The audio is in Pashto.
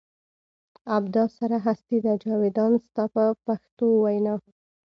ابدا سره هستي ده جاویدان ستا په پښتو وینا.